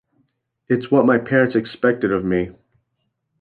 It's what my parents expected of me.